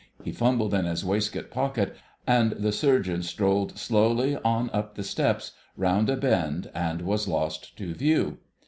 he fumbled in his waistcoat pocket, and the Surgeon strolled slowly on up the steps, round a bend, and was lost to view.